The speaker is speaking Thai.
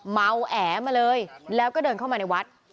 เมาแอมาเลยแล้วก็เดินเข้ามาในวัด